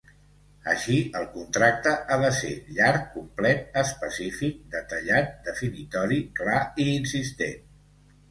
Així, el contracte ha de ser llarg, complet, específic, detallat, definitori, clar i insistent.